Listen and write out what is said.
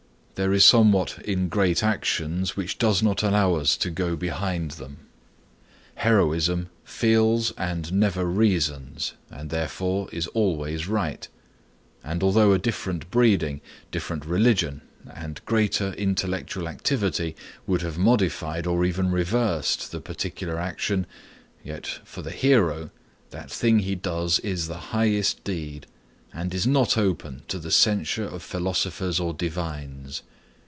There is somewhat in great actions which does not allow us to go behind them. Heroism feels and never reasons, and therefore is always right; and although a different breeding, different religion and greater intellectual activity would have modified or even reversed the particular action, yet for the hero that thing he does is the highest deed, and is not open to the censure of philosophers or divines.